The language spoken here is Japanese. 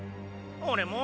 俺も。